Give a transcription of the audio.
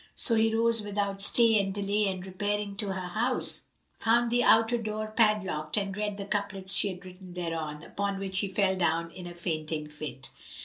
So he rose without stay and delay and repairing to her house, found the outer door padlocked and read the couplets she had written thereon; upon which he fell down in a fainting fit.